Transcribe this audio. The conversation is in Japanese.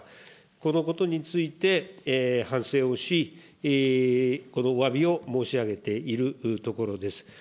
このことについて、反省をし、このおわびを申し上げているところです。